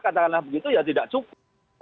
katakanlah begitu ya tidak cukup